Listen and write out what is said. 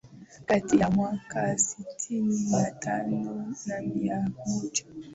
kati ya mwaka sitini na tano na mia moja